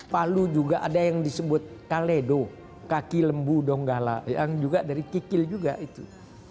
palu juga ada yang disebut kaledo kaki lembu donggala yang juga dari kikil juga itu